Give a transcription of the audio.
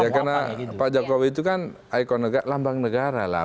ya karena pak jokowi itu kan lambang negara lah